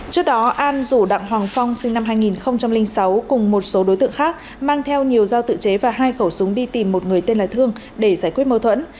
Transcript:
trước đó an rủ đặng hoàng phong sinh năm hai nghìn sáu cùng một số đối tượng khác mang theo nhiều giao tự chế và hai khẩu súng đi tìm một người tên là thương để giải quyết mâu thuẫn